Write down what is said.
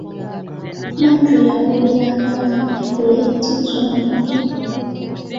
Badru yaguliranga banne kuleeti z'omwenge!